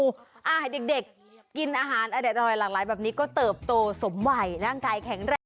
ให้เด็กกินอาหารอร่อยหลังไหลแบบนี้ก็เติบโตสมใหม่ร่างกายแข็งแรก